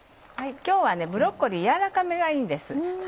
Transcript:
今日はブロッコリー軟らかめがいいんです。